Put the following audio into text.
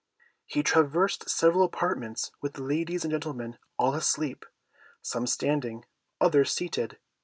He traversed several apartments, with ladies and gentlemen all asleep; some standing, others seated.